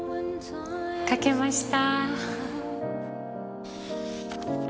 書けました。